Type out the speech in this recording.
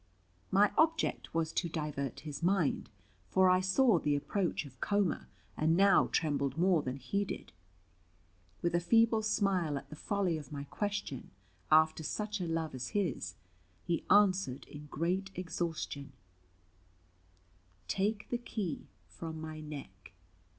My object was to divert his mind, for I saw the approach of coma, and now trembled more than he did. With a feeble smile at the folly of my question, after such a love as his, he answered in great exhaustion, "Take the key from my neck.